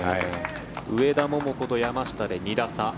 上田桃子と山下で２打差